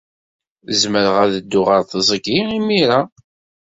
Zemreɣ ad dduɣ ɣer teẓgi imir-a?